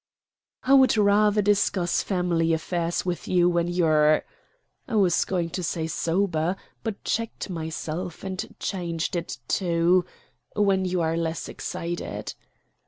"I would rather discuss family affairs with you when you're " I was going to say sober, but checked myself and changed it to "when you are less excited."